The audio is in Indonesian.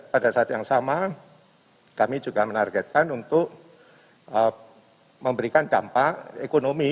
pada saat yang sama kami juga menargetkan untuk memberikan dampak ekonomi